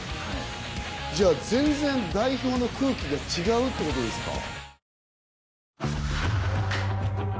じゃあ全然代表の空気が違うってことですか？